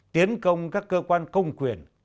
tiến công các cơ quan công quyền